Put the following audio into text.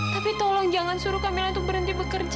tapi tolong jangan suruh kamera untuk berhenti bekerja